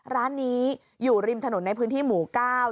ร้านนี้อยู่ริมถนนในพื้นที่หมู่เก้า